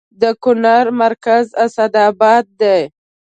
د کونړ مرکز اسداباد دی